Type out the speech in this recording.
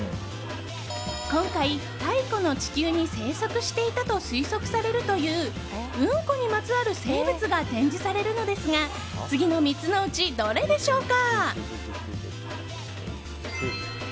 今回、太古の地球に生息していたと推測されるという、うんこにまつわる生物が展示されるのですが次の３つのうちどれでしょうか？